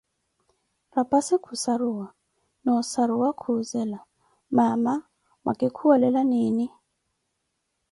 Rapassi khuʼssaruwa, noo ossaruwa khuzela, mamaa mwakikuwelela nini?